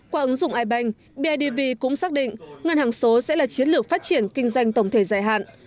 qua ứng dụng ipanh bidv cũng xác định ngân hàng số sẽ là chiến lược phát triển kinh doanh tổng thể dài hạn